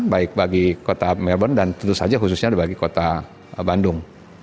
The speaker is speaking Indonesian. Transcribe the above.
baik bagi kota melbourne dan tentu saja khususnya bagi kota bandung